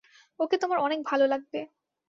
ওকে তোমার অনেক ভালো লাগবে।